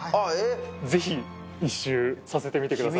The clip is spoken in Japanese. ぜひ１周させてみてください。